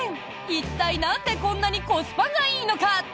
一体なんでこんなにコスパがいいのか？